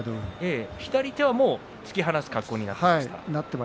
左手は突き放す格好になっていました。